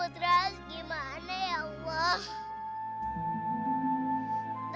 jangan pergi ya allah